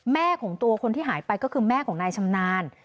แม่ของตัวคนที่หายไปก็คือแม่ของนายชำนาญ